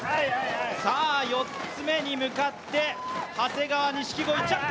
さあ４つ目に向かって、長谷川、錦鯉、ジャンプ。